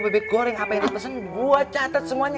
bebek goreng apa yang dipesen gue catat semuanya